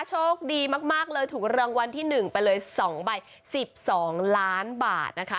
โชคดีมากเลยถูกรางวัลที่๑ไปเลย๒ใบ๑๒ล้านบาทนะคะ